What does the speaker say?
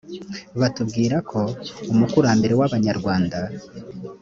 batubwira ko umukurambere w abanyarwanda